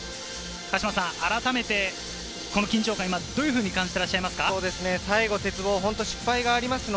改めてこの緊張感、どういうふうに感じてらっしゃいますか？